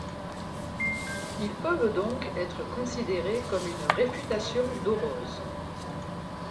Ils peuvent donc être considérés comme une réfutation d'Orose.